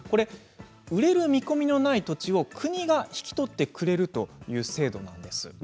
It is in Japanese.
売れる見込みのない土地を、国が引き取ってくれるという制度です。